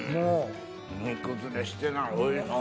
煮崩れしてないおいしい！